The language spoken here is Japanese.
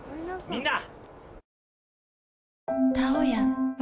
みんな！